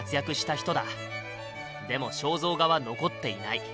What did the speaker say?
でも肖像画は残っていない。